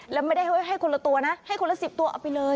แล้วไม่ได้ให้คนละตัวนะให้คนละ๑๐ตัวเอาไปเลย